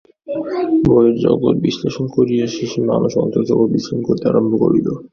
বহির্জগৎ বিশ্লেষণ করিয়া শেষে মানুষ অন্তর্জগৎ বিশ্লেষণ করিতে আরম্ভ করিল।